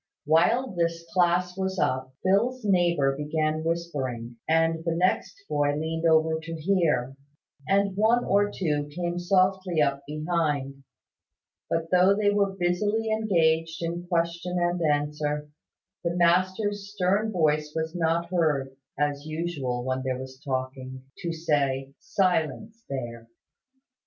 While this class was up, Phil's neighbour began whispering; and the next boy leaned over to hear; and one or two came softly up behind: but, though they were busily engaged in question and answer, the master's stern voice was not heard (as usual when there was talking) to say "Silence there!"